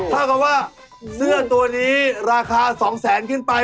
เท่ากับว่าเสื้อตัวนี้ราคา๒แสนขึ้นไป